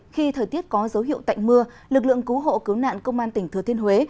khi thời tiết có dấu hiệu tạnh mưa lực lượng cứu hộ cứu nạn công an tỉnh thừa thiên huế